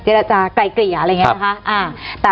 เจรจาไก่เกลี่ยอะไรอย่างเงี้ยฮะ